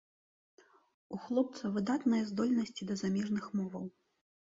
У хлопца выдатныя здольнасці да замежных моваў.